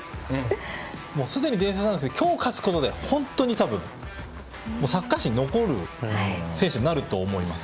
すでに伝説なんですけど今日、勝つことで本当に多分、サッカー史に残る選手になると思います。